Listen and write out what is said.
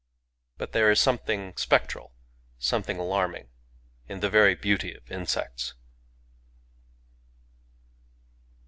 But there is something spectral, something alarming, in the very beauty of insects.